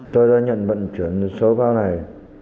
tôi đã nhận vận chuyển số pháo này